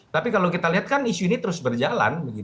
tapi kalau kita lihat kan isu ini terus berjalan